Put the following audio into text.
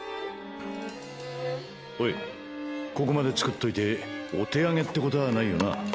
おいここまで作っといてお手上げってことはないよな？